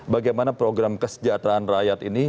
bagaimana program kesejahteraan rakyat ini